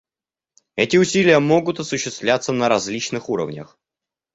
Эти усилия могут осуществляться на различных уровнях.